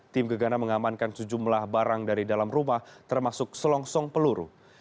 tim gegana mengamankan sejumlah barang dari dalam rumah termasuk selongsong peluru